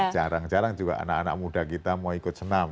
jarang jarang juga anak anak muda kita mau ikut senam